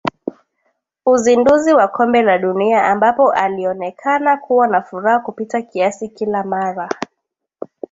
uzinduzi wa kombe la dunia ambapo alionekana kuwa na furaha kupita kiasi kila mara